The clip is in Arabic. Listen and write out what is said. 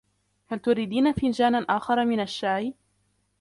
هل تريدين فنجانا آخر من الشاي ؟